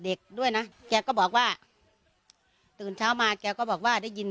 เด็กด้วยนะแกก็บอกว่าตื่นเช้ามาแกก็บอกว่าได้ยิน